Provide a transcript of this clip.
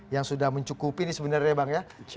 yang sudah mencukupi ini sebenarnya bang ya